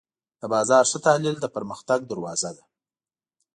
د بازار ښه تحلیل د پرمختګ دروازه ده.